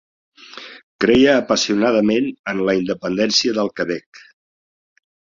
Creia apassionadament en la independència del Quebec.